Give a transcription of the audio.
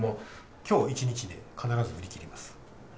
きょう１日で必ず売り切ります。